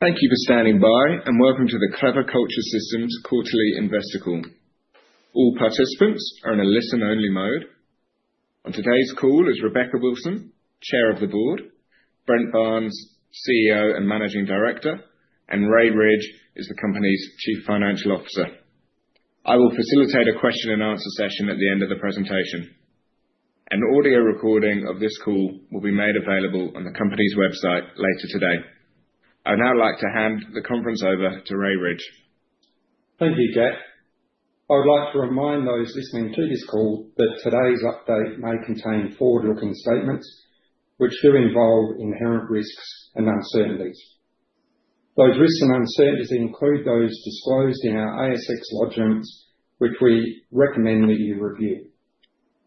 Thank you for standing by, and welcome to the Clever Culture Systems Quarterly Investor Call. All participants are in a listen-only mode. On today's call is Rebecca Wilson, Chair of the Board, Brent Barnes, CEO and Managing Director, and Ray Ridge is the company's Chief Financial Officer. I will facilitate a question-and-answer session at the end of the presentation. An audio recording of this call will be made available on the company's website later today. I'd now like to hand the conference over to Ray Ridge. Thank you, Jack. I would like to remind those listening to this call that today's update may contain forward-looking statements which do involve inherent risks and uncertainties. Those risks and uncertainties include those disclosed in our ASX-lodged notes, which we recommend that you review.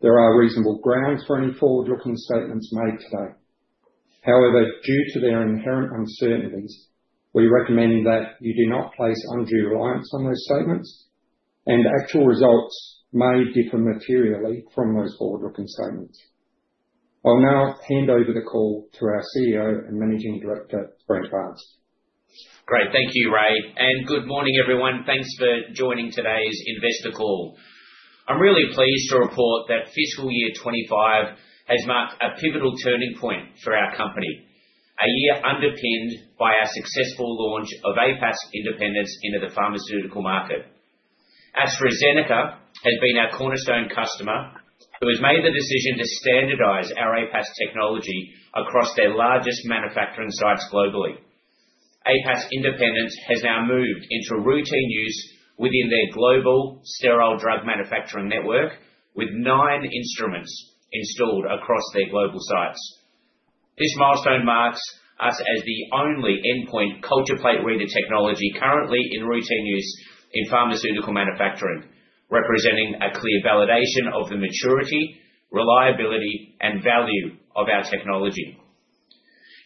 There are reasonable grounds for any forward-looking statements made today. However, due to their inherent uncertainties, we recommend that you do not place undue reliance on those statements, and actual results may differ materially from those forward-looking statements. I'll now hand over the call to our CEO and Managing Director, Brent Barnes. Great. Thank you, Ray. And good morning, everyone. Thanks for joining today's investor call. I'm really pleased to report that fiscal year 2025 has marked a pivotal turning point for our company, a year underpinned by our successful launch of APAS Independence into the pharmaceutical market. AstraZeneca has been our cornerstone customer who has made the decision to standardize our APAS technology across their largest manufacturing sites globally. APAS Independence has now moved into routine use within their global sterile drug manufacturing network, with nine instruments installed across their global sites. This milestone marks us as the only endpoint culture plate reader technology currently in routine use in pharmaceutical manufacturing, representing a clear validation of the maturity, reliability, and value of our technology.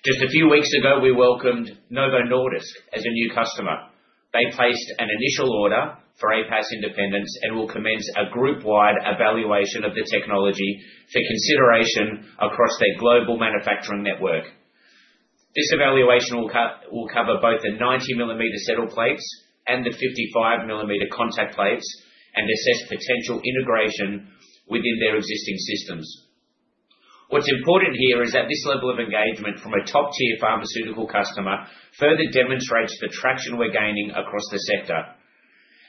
Just a few weeks ago, we welcomed Novo Nordisk as a new customer. They placed an initial order for APAS Independence and will commence a group-wide evaluation of the technology for consideration across their global manufacturing network. This evaluation will cover both the 90 mm settle plates and the 55 mm contact plates and assess potential integration within their existing systems. What's important here is that this level of engagement from a top-tier pharmaceutical customer further demonstrates the traction we're gaining across the sector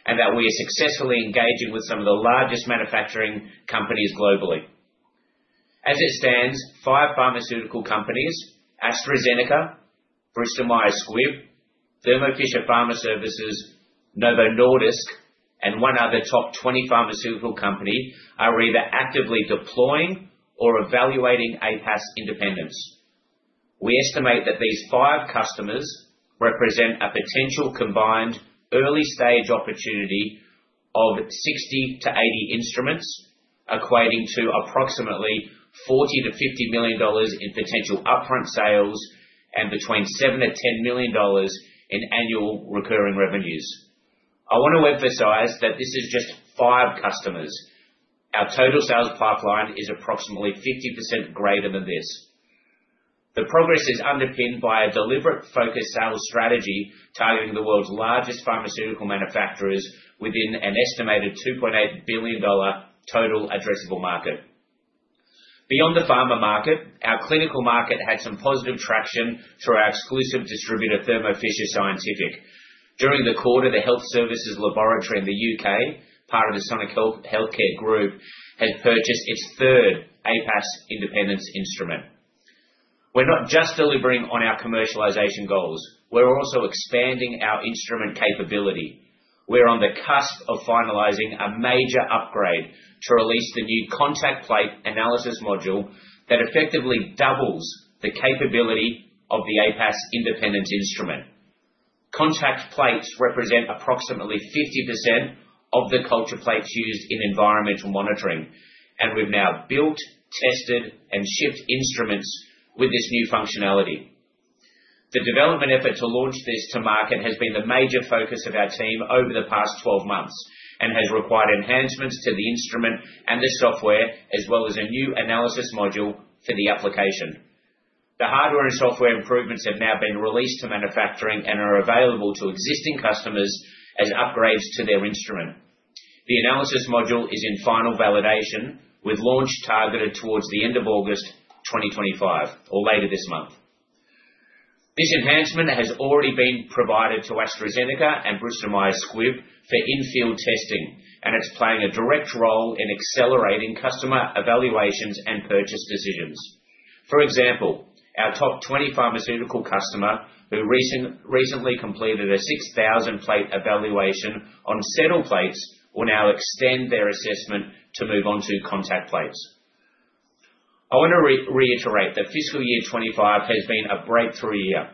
and that we are successfully engaging with some of the largest manufacturing companies globally. As it stands, five pharmaceutical companies (AstraZeneca, Bristol-Myers Squibb, Thermo Fisher Pharma Services, Novo Nordisk, and one other top 20 pharmaceutical company) are either actively deploying or evaluating APAS Independence. We estimate that these five customers represent a potential combined early-stage opportunity of 60-80 instruments, equating to approximately 40 million-50 million dollars in potential upfront sales and between 7 million-10 million dollars in annual recurring revenues. I want to emphasize that this is just five customers. Our total sales pipeline is approximately 50% greater than this. The progress is underpinned by a deliberate focus sales strategy targeting the world's largest pharmaceutical manufacturers within an estimated 2.8 billion dollar total addressable market. Beyond the pharma market, our clinical market had some positive traction through our exclusive distributor, Thermo Fisher Scientific. During the quarter, the Health Services Laboratory in the U.K., part of the Sonic Healthcare Group, has purchased its third APAS Independence instrument. We're not just delivering on our commercialization goals. We're also expanding our instrument capability. We're on the cusp of finalizing a major upgrade to release the new contact plate analysis module that effectively doubles the capability of the APAS Independence instrument. Contact plates represent approximately 50% of the culture plates used in environmental monitoring, and we've now built, tested, and shipped instruments with this new functionality. The development effort to launch this to market has been the major focus of our team over the past 12 months and has required enhancements to the instrument and the software, as well as a new analysis module for the application. The hardware and software improvements have now been released to manufacturing and are available to existing customers as upgrades to their instrument. The analysis module is in final validation, with launch targeted towards the end of August 2025 or later this month. This enhancement has already been provided to AstraZeneca and Bristol-Myers Squibb for in-field testing, and it's playing a direct role in accelerating customer evaluations and purchase decisions. For example, our top 20 pharmaceutical customers who recently completed a 6,000-plate evaluation on settle plates will now extend their assessment to move on to contact plates. I want to reiterate that fiscal year 2025 has been a breakthrough year,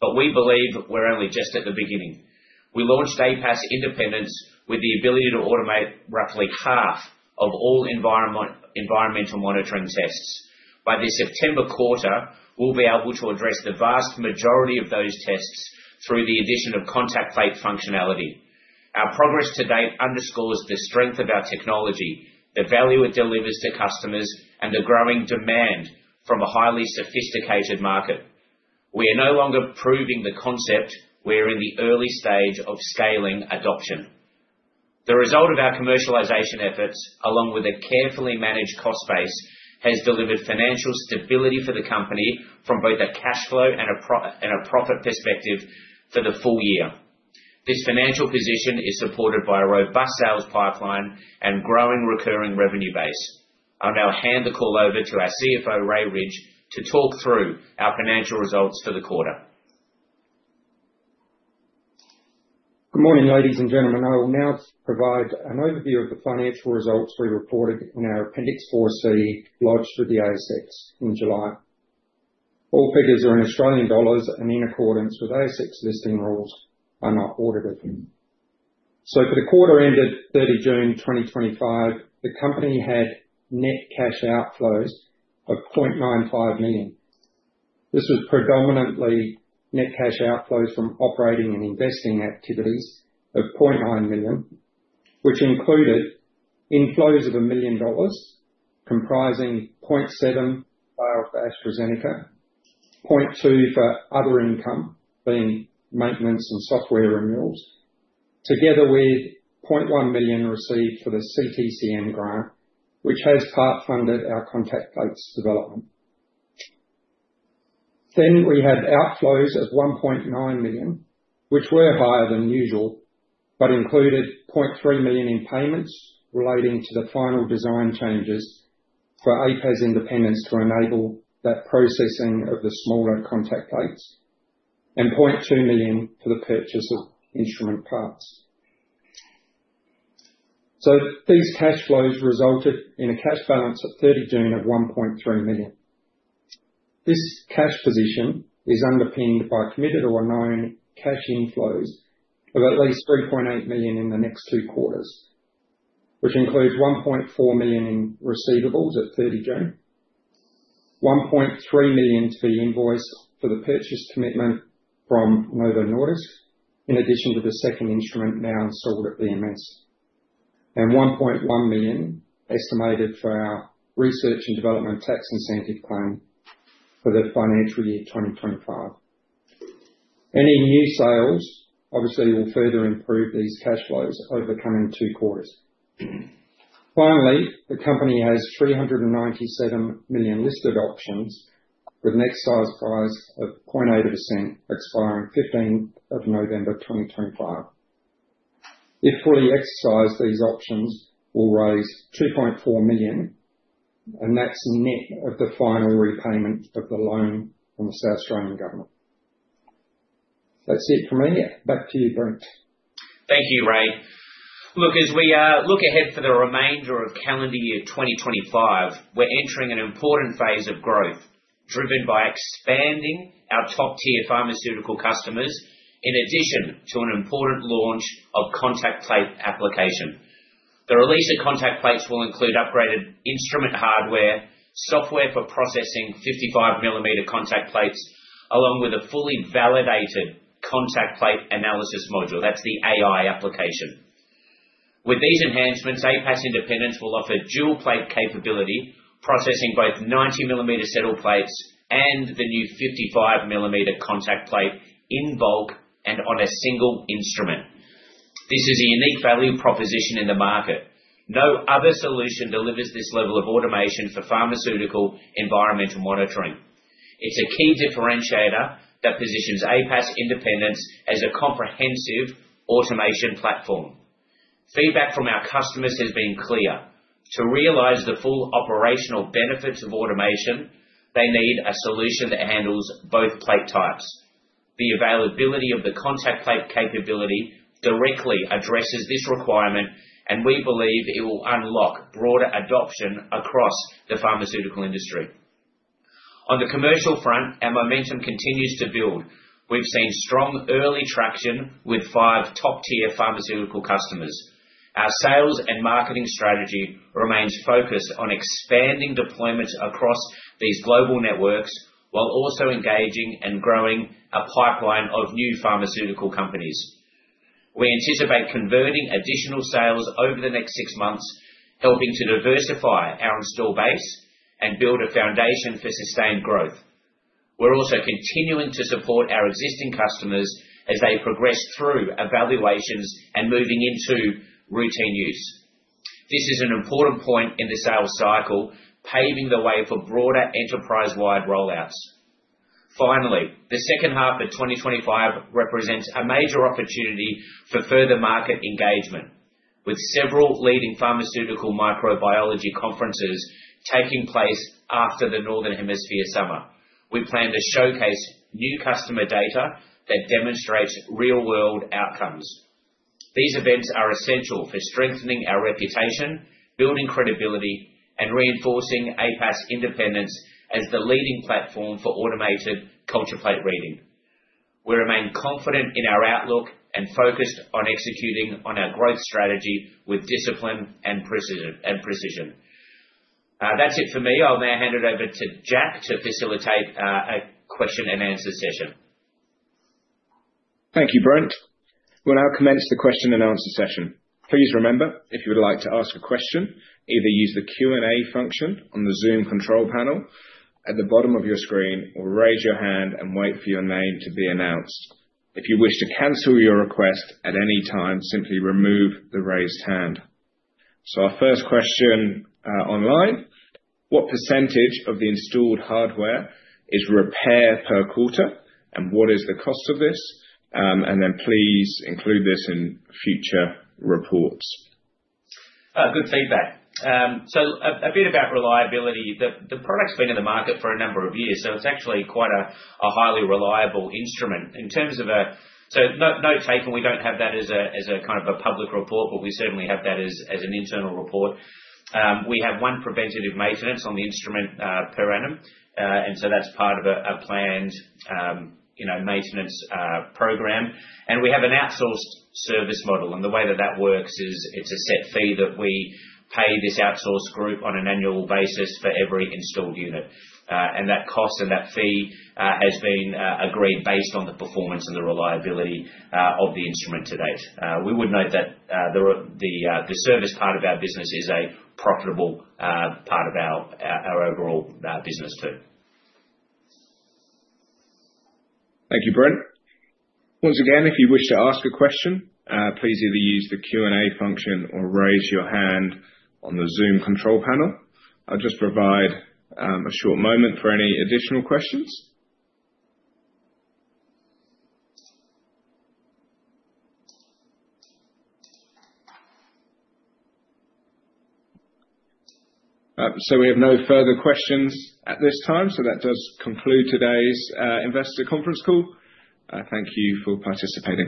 but we believe we're only just at the beginning. We launched APAS Independence with the ability to automate roughly half of all environmental monitoring tests. By this September quarter, we'll be able to address the vast majority of those tests through the addition of contact plate functionality. Our progress to date underscores the strength of our technology, the value it delivers to customers, and the growing demand from a highly sophisticated market. We are no longer proving the concept. We're in the early stage of scaling adoption. The result of our commercialization efforts, along with a carefully managed cost base, has delivered financial stability for the company from both a cash flow and a profit perspective for the full year. This financial position is supported by a robust sales pipeline and growing recurring revenue base. I'll now hand the call over to our CFO, Ray Ridge, to talk through our financial results for the quarter. Good morning, ladies and gentlemen. I will now provide an overview of the financial results we reported in our Appendix 4C, lodged for the ASX in July. All figures are in Australian dollars, and in accordance with ASX listing rules, are not audited. So for the quarter ended 30 June 2025, the company had net cash outflows of 0.95 million. This was predominantly net cash outflows from operating and investing activities of 0.9 million, which included inflows of 1 million dollars comprising 0.75 million for AstraZeneca, 0.25 million for other income, being maintenance and software renewals, together with 0.1 million received for the CTCM grant, which has part-funded our contact plates development. Then we had outflows of 1.9 million, which were higher than usual but included 0.3 million in payments relating to the final design changes for APAS Independence to enable that processing of the smaller contact plates, and 0.2 million for the purchase of instrument parts. So these cash flows resulted in a cash balance at 30 June of 1.3 million. This cash position is underpinned by committed or known cash inflows of at least 3.8 million in the next two quarters, which includes 1.4 million in receivables at 30 June, 1.3 million to be invoiced for the purchase commitment from Novo Nordisk, in addition to the second instrument now installed at BMS, and 1.1 million estimated for our research and development tax incentive claim for the financial year 2025. Any new sales, obviously, will further improve these cash flows over the coming two quarters. Finally, the company has 397 million listed options with an exercise price of 0.008 expiring 15th of November 2025. If fully exercised, these options will raise 2.4 million, and that's net of the final repayment of the loan from the South Australian Government. That's it from me. Back to you, Brent. Thank you, Ray. Look, as we look ahead for the remainder of calendar year 2025, we're entering an important phase of growth driven by expanding our top-tier pharmaceutical customers in addition to an important launch of contact plate application. The release of contact plates will include upgraded instrument hardware, software for processing 55 mm contact plates, along with a fully validated contact plate analysis module. That's the AI application. With these enhancements, APAS Independence will offer dual-plate capability, processing both 90 mm settle plates and the new 55 mm contact plate in bulk and on a single instrument. This is a unique value proposition in the market. No other solution delivers this level of automation for pharmaceutical environmental monitoring. It's a key differentiator that positions APAS Independence as a comprehensive automation platform. Feedback from our customers has been clear. To realize the full operational benefits of automation, they need a solution that handles both plate types. The availability of the contact plate capability directly addresses this requirement, and we believe it will unlock broader adoption across the pharmaceutical industry. On the commercial front, our momentum continues to build. We've seen strong early traction with five top-tier pharmaceutical customers. Our sales and marketing strategy remains focused on expanding deployments across these global networks while also engaging and growing a pipeline of new pharmaceutical companies. We anticipate converting additional sales over the next six months, helping to diversify our install base and build a foundation for sustained growth. We're also continuing to support our existing customers as they progress through evaluations and moving into routine use. This is an important point in the sales cycle, paving the way for broader enterprise-wide rollouts. Finally, the second half of 2025 represents a major opportunity for further market engagement, with several leading pharmaceutical microbiology conferences taking place after the Northern Hemisphere summer. We plan to showcase new customer data that demonstrates real-world outcomes. These events are essential for strengthening our reputation, building credibility, and reinforcing APAS Independence as the leading platform for automated culture plate reading. We remain confident in our outlook and focused on executing on our growth strategy with discipline and precision. That's it for me. I'll now hand it over to Jack to facilitate a question-and-answer session. Thank you, Brent. We'll now commence the question-and-answer session. Please remember, if you would like to ask a question, either use the Q&A function on the Zoom control panel at the bottom of your screen, or raise your hand and wait for your name to be announced. If you wish to cancel your request at any time, simply remove the raised hand. So our first question online: What percentage of the installed hardware is repaired per quarter, and what is the cost of this? And then please include this in future reports. Good feedback, so a bit about reliability. The product's been in the market for a number of years, so it's actually quite a highly reliable instrument, so note taken. We don't have that as a kind of a public report, but we certainly have that as an internal report. We have one preventative maintenance on the instrument per annum, and so that's part of a planned maintenance program, and we have an outsourced service model. The way that that works is it's a set fee that we pay this outsourced group on an annual basis for every installed unit, and that cost and that fee has been agreed based on the performance and the reliability of the instrument to date. We would note that the service part of our business is a profitable part of our overall business too. Thank you, Brent. Once again, if you wish to ask a question, please either use the Q&A function or raise your hand on the Zoom control panel. I'll just provide a short moment for any additional questions. So we have no further questions at this time, so that does conclude today's investor conference call. Thank you for participating.